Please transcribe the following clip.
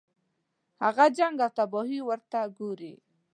هغه جنګ او تباهي ورته ګوري.